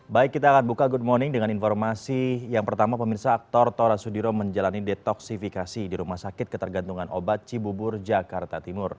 baik kita akan buka good morning dengan informasi yang pertama pemirsa aktor tora sudiro menjalani detoksifikasi di rumah sakit ketergantungan obat cibubur jakarta timur